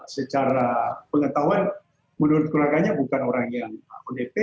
secara pengetahuan menurut keluarganya bukan orang yang odp